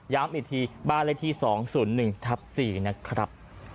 อีกทีบ้านเลขที่๒๐๑ทับ๔นะครับ